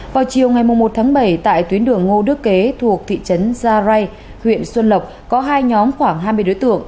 vào chiều ngày một tháng bảy tại tuyến đường ngô đức kế thuộc thị trấn gia rai huyện xuân lộc có hai nhóm khoảng hai mươi đối tượng